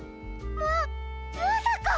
ままさか。